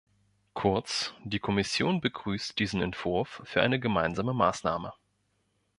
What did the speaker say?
Kurz, die Kommission begrüßt diesen Entwurf für eine gemeinsame Maßnahme.